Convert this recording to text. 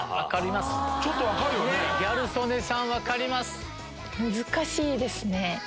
ギャル曽根さん分かります。